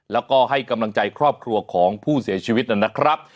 แล้วก็ให้กำลังใจครอบครัวของผู้เสียชีวิตนะครับ